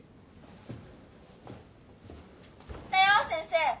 たよ先生！